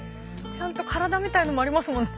ちゃんと体みたいのもありますもんね。